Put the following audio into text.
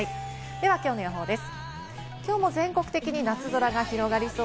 では、きょうの予報です。